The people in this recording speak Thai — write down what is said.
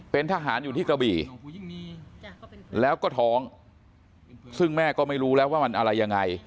เป็นทหารอยู่ที่กระบี่แล้วก็ท้องซึ่งแม่ก็ไม่รู้แล้วว่ามันอะไรยังไง